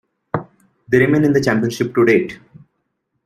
They remain in the Championship to date.